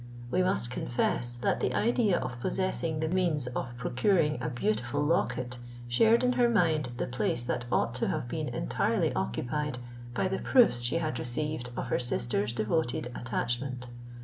We must confess that the idea of possessing the means of procuring a beautiful locket shared in her mind the place that ought to have been entirely occupied by the proofs she had received of her sister's devoted attachment.